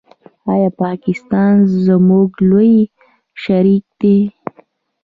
آیا پاکستان زموږ لوی شریک دی؟